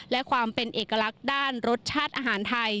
และความเป็นเอกลักษณ์ด้านรสชาติอาหารไทย